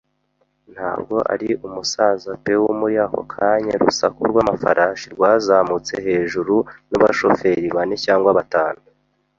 ntabwo ari umusaza Pew! ” Muri ako kanya, urusaku rw'amafarashi rwazamutse hejuru, n'abashoferi bane cyangwa batanu